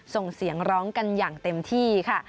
ส่งเสียงร้องกันอย่างเต็มที่ค่ะ